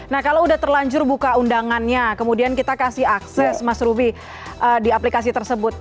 nah kalau sudah terlanjur buka undangannya kemudian kita kasih akses mas ruby di aplikasi tersebut